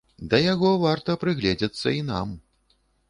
Да яго варта прыгледзецца і нам.